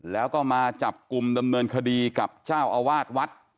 แล้วก็มาจับกลุ่มดำเนินคดีกับเจ้าอาวาสวัด